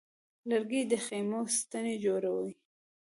لرګی د خیمو ستنې جوړوي.